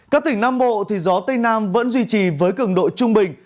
các tỉnh nam bộ gió tây nam vẫn duy trì với cường độ trung bình